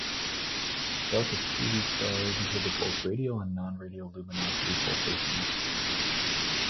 Delta Scuti stars exhibit both radial and non-radial luminosity pulsations.